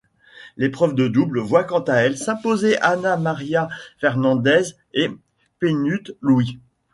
L'épreuve de double voit quant à elle s'imposer Anna Maria Fernández et Peanut Louie.